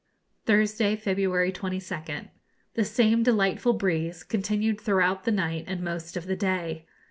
Thursday, February 22nd. The same delightful breeze continued throughout the night and most of the day.